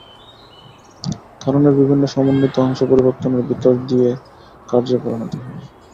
কারণের বিভিন্ন সমন্বিত অংশ পরিবর্তনের ভিতর দিয়া কার্যে পরিণত হয়।